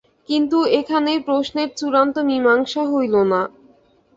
কিন্তু এখানেই প্রশ্নের চূড়ান্ত মীমাংসা হইল না।